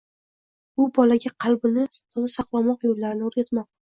Bu bolaga qalbini toza saqlamoq yo‘llarini o‘rgatmoq